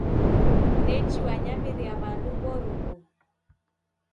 Nechi wanyamiria w'andu w'oruw'u.